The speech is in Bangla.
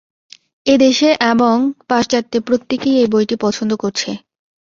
এদেশে এবং পাশ্চাত্যে প্রত্যেকেই এই বইটি পছন্দ করছে।